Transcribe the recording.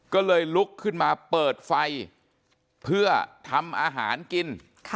ก็เลยลุกขึ้นมาเปิดไฟเพื่อทำอาหารกิน